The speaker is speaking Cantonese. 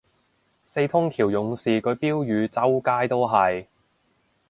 四通橋勇士句標語周街都係